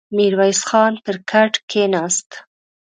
ميرويس خان پر کټ کېناست.